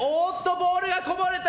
ボールがこぼれた